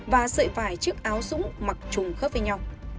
và sợi vải chiếc áo dũng mặc chùng khớp với nhau